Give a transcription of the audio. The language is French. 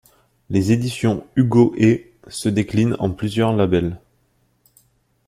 Les éditions Hugo & se décline en plusieurs labels.